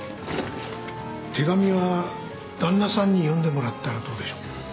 手紙は旦那さんに読んでもらったらどうでしょう。